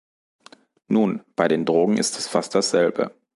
Nun, bei den Drogen ist es fast dasselbe.